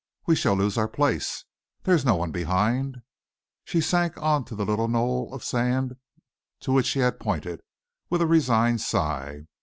"We shall lose our place." "There is no one behind." She sank on to the little knoll of sand to which he had pointed, with a resigned sigh.